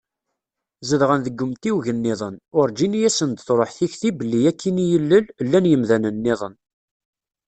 Zedɣen deg umtiweg-nniḍen, urǧin i asen-d-truḥ tikti belli akkin i yillel, llan yimdanen-nniḍen.